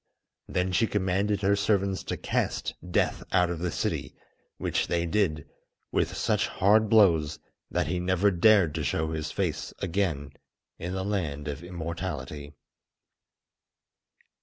Then she commanded her servants to cast Death out of the city, which they did, with such hard blows that he never dared to show his face again in the Land of Immortality.